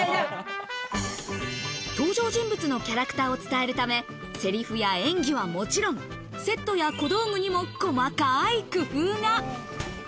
登場人物のキャラクターを伝えるため、セリフや演技はもちろん、セットや小道具にも細かい工夫が。